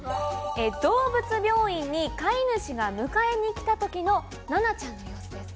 動物病院に飼い主が迎えに来た時のナナちゃんです。